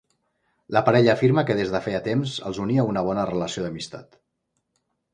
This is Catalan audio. La parella afirma que des de feia temps els unia una bona relació d'amistat.